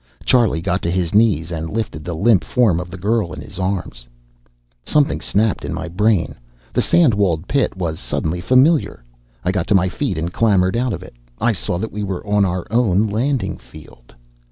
Charlie got to his knees and lifted the limp form of the girl in his arms. Something snapped in my brain. The sand walled pit was suddenly familiar. I got to my feet and clambered out of it. I saw that we were on our own landing field.